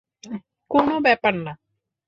কোনও ব্যাপার না!